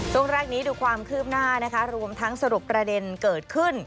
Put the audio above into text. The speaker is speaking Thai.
ช่วงแรกนี้ดูความคืบหน้านะคะรวมทั้งสรุปประเด็นเกิดขึ้น